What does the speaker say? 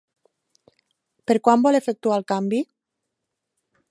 Per quan vol efectuar el canvi?